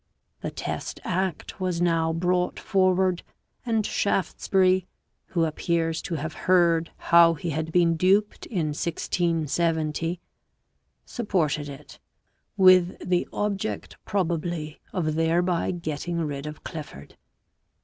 The Test Act was now brought forward, and Shaftes bury, who appears to have heard how he had been duped in 1670, supported it, with the object probably of thereby getting rid of Clifford.